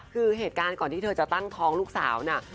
คือเหตุการณ์ก่อนที่เธอจะตั้งท้องลูกสาวน่ะ